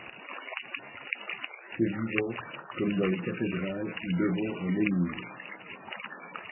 C’est vivant, comme dans les cathédrales ou devant un menhir.